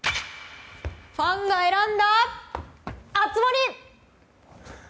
ファンが選んだ熱盛！